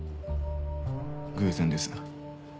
偶然です。